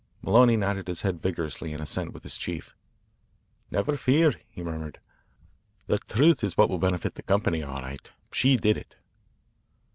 Maloney nodded his head vigorously in assent with his chief. "Never fear," he murmured. "The truth is what will benefit the company, all right. She did it."